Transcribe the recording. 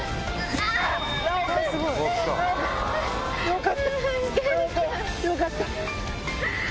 よかった。